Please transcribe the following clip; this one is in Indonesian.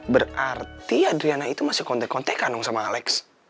berarti adriana itu masih kontek kontek kanong sama alex